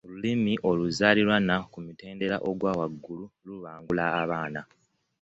Olulimi oluzaaliranwa ku mutendera ogwa waggulu lubangula abaana.